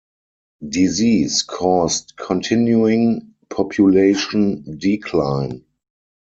Disease caused continuing population decline.